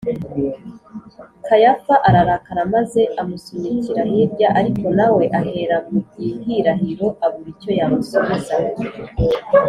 kayafa ararakara maze amusunikira hirya, ariko na we ahera mu gihirahiro abura icyo yamusubiza